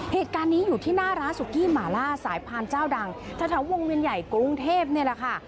เหตุการณ์นี้อยู่ที่หน้าร้านสุกี้หมาล่าสายพานเจ้าดังแถววงเวียนใหญ่กรุงเทพนี่แหละค่ะ